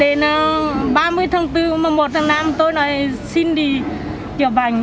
đến ba mươi tháng bốn mà một tháng năm tôi xin đi kiểu vành